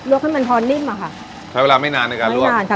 ให้มันพอนิ่มอ่ะค่ะใช้เวลาไม่นานในการลวกทานค่ะ